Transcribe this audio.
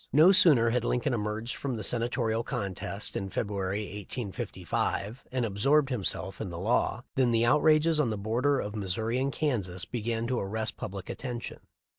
No sooner had Lincoln emerged from the Senatorial contest in February, 1855, and absorbed himself m the law, than the outrages on the borders of Mis souri and Kansas began to arrest public attention.